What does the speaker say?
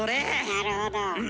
なるほど。